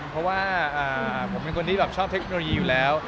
เพราะว่าผมเป็นคนที่แบบชอบเทคโนโลยีอยู่แล้ว